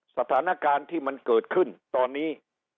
สถานการณ์ที่มันเกิดขึ้นตอนนี้